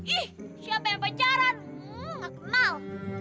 ih siapa yang pacaran kenal